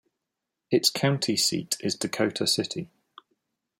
Its county seat is Dakota City.